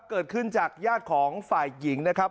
เกิดขึ้นจากญาติของฝ่ายหญิงนะครับ